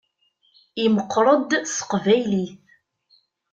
Imeqqeṛ-d s teqbaylit.